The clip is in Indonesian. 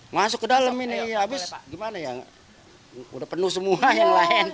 masuk ke dalam ini habis gimana ya udah penuh semua yang lain